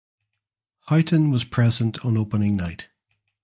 Houghton was present on opening night.